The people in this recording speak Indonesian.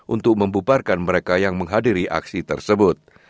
untuk membubarkan mereka yang menghadiri aksi tersebut